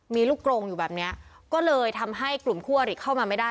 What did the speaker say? มีลูกกรงอยู่แบบเนี้ยก็เลยทำให้กลุ่มคู่อริเข้ามาไม่ได้